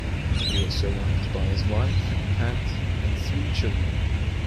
He was survived by his wife, Pat, and three children.